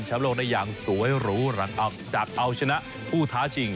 ใช้โลกได้อย่างสวยหรือหลังออกจากเอาชนะผู้ท้าจริง